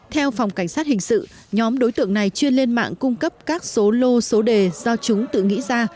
theo phòng cảnh sát hình sự nhóm đối tượng này chuyên lên mạng cung cấp các số lô số đề do chúng tự nghĩ ra